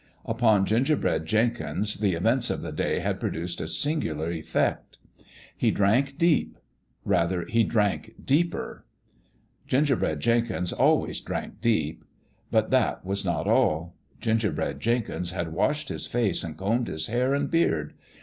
Upon Gingerbread Jenkins the events of the day had produced a singular effect. He drank deep. Rather, he drank deeper. Gingerbread Jenkins always drank deep. But that was not all. Gingerbread Jenkins had washed his face and combed his hair and beard.